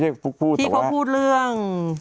คุณฟลูกพูดเรื่อง